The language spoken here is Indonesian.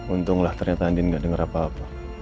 untunglah ternyata andi gak denger apa apa